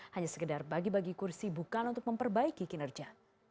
hanya sekedar bagi bagi kursi bukan untuk memperbaiki kinerja